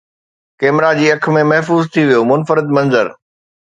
camera جي اک ۾ محفوظ ٿي ويو منفرد منظر